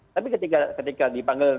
tapi ketika dipanggil